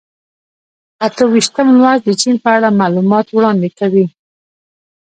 اته ویشتم لوست د چین په اړه معلومات وړاندې کوي.